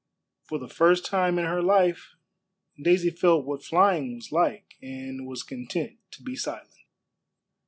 For the first time in her life Daisy felt what flying was like, and was content to be silent.